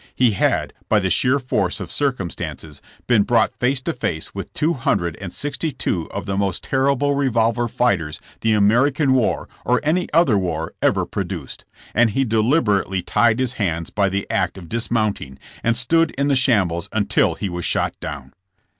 He had, by the sheer force of circumstances, been brought face to face with two hundred and sixty two of the most terrible revolver fighter^ the American war or any other war ever produced, and he deliberately tied his hands by the act of dismounting, and stood in the shambles until he was shot down.